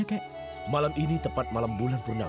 kita mer askan kerja